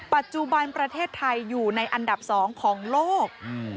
ปัจจุบันประเทศไทยอยู่ในอันดับ๒ของโลก